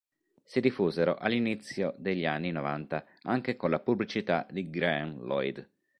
Si diffusero all'inizio degli anni novanta, anche con la pubblicità di Graham Lloyd.